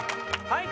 はい。